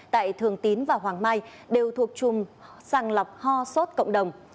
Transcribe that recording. tại thường tín và hoàng mai đều thuộc chùm sàng lọc ho sốt cộng đồng